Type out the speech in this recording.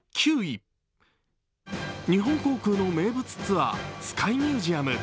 日本航空の名物ツアースカイミュージアム。